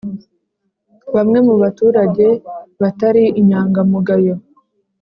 Bamwe mu baturage batari inyangamugayo